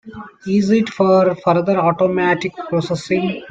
Is it for further automatic processing?